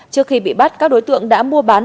trước khi bị bắt các đối tượng đã mua bán